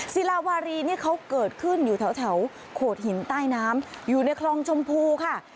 ศิลาวารีนี่เขาเกิดขึ้นอยู่แถวโขดหินใต้น้ำอยู่ในคลองชมพูค่ะ